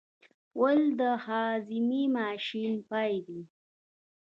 غول د هاضمې ماشین پای دی.